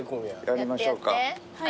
やりましょうか。